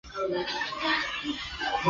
张升六十九岁致仕。